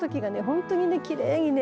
本当にきれいにね